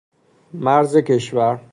مرز کشور